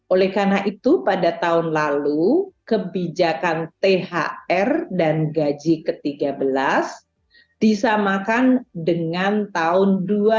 oleh karena itu pada tahun lalu kebijakan thr dan gaji ke tiga belas disamakan dengan tahun dua ribu dua puluh